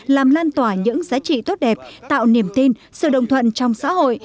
làm lan tỏa những giá trị tốt đẹp tạo niềm tin sự đồng thuận trong xã hội